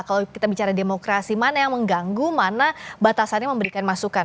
kalau kita bicara demokrasi mana yang mengganggu mana batasannya memberikan masukan